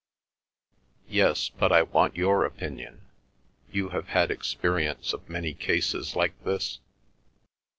"Yes, but I want your opinion. You have had experience of many cases like this?"